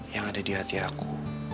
yang ada di hati aku